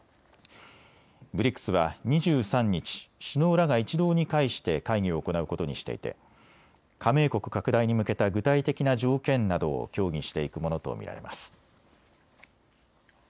ＢＲＩＣＳは２３日、首脳らが一堂に会して会議を行うことにしていて加盟国拡大に向けた具体的な条件などを協議していくものと見られます。